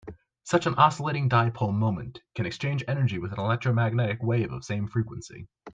Such an oscillating dipole moment can exchange energy with an electromagnetic wave of same frequency.